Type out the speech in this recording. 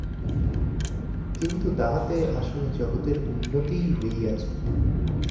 কিন্তু তাহাতে আসলে জগতের উন্নতিই হইয়াছে।